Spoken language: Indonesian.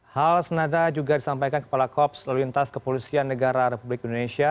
hal senada juga disampaikan kepala kops lalu lintas kepolisian negara republik indonesia